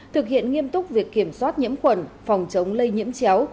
thực hiện nghiêm túc việc kiểm soát nhiễm khuẩn phòng chống lây nhiễm chéo